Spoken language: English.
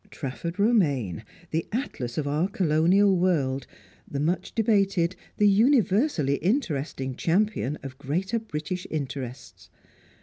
Trafford Romaine, the Atlas of our Colonial world; the much debated, the universally interesting champion of Greater British interests!